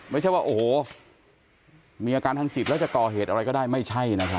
ไม่ใช่ว่าโอ้โหมีอาการทางจิตแล้วจะก่อเหตุอะไรก็ได้ไม่ใช่นะครับ